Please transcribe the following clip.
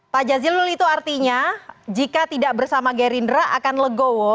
pak jazilul itu artinya jika tidak bersama gerindra akan legowo